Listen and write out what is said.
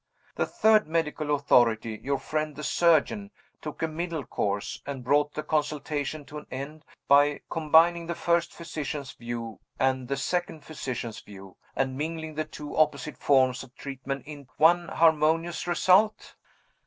The third medical authority, your friend the surgeon, took a middle course, and brought the consultation to an end by combining the first physician's view and the second physician's view, and mingling the two opposite forms of treatment in one harmonious result?"